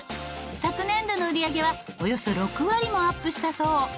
昨年度の売り上げはおよそ６割もアップしたそう。